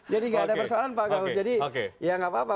jadi tidak ada persoalan pak gawus jadi ya tidak apa apa